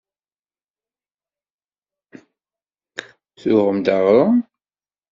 Tuɣem-d aɣrum?